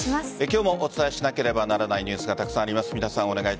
今日もお伝えしなければならないニュースがたくさんあります。